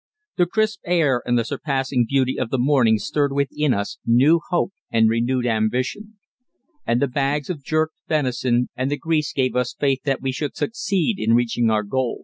The crisp air and the surpassing beauty of the morning stirred within us new hope and renewed ambition. And the bags of jerked venison and the grease gave us faith that we should succeed in reaching our goal.